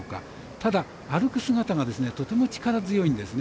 ただ、歩く姿がとても力強いんですよね。